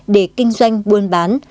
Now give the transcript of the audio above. để kinh doanh buôn bán